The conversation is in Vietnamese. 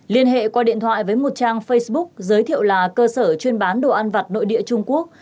liên hệ qua điện thoại với một trang facebook giới thiệu là cơ sở chuyên bán đồ ăn vặt nội địa trung quốc